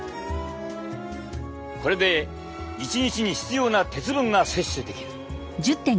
これで１日に必要な鉄分が摂取できる。